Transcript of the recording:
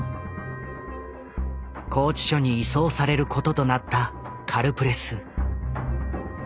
拘置所に移送されることとなったカルプレス。